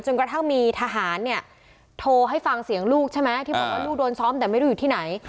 กระทั่งมีทหารเนี่ยโทรให้ฟังเสียงลูกใช่ไหมที่บอกว่าลูกโดนซ้อมแต่ไม่รู้อยู่ที่ไหน